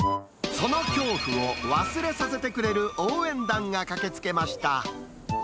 その恐怖を忘れさせてくれる応援団が駆けつけました。